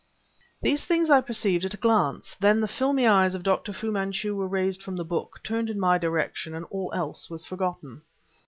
These things I perceived at a glance: then the filmy eyes of Dr. Fu Manchu were raised from the book, turned in my direction, and all else was forgotten.